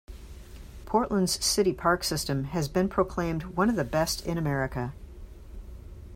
Portland's city park system has been proclaimed one of the best in America.